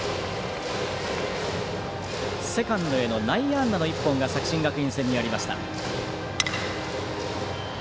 セカンドへの内野安打の１本が作新学院戦にありました。